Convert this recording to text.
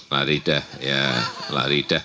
lari dah ya lari dah